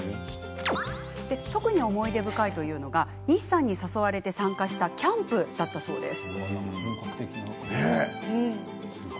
特に思い出深いというのが西さんに誘われて参加したキャンプだそうです。